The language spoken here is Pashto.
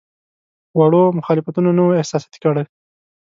وړو مخالفتونو نه وو احساساتي کړی.